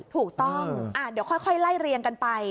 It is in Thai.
ถูกต้องเดี๋ยวค่อยไล่เรียงกันไป